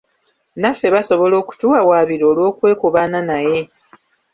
Naffe basobola okutuwawaabira olw'okwekobaana naye.